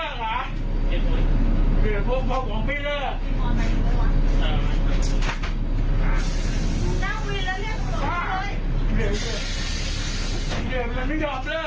เกลียดวงพี่เลิก